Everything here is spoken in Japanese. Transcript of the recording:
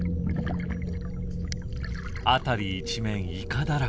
辺り一面イカだらけ。